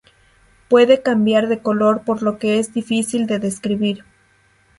Puede cambiar de color por lo que es difícil de describir.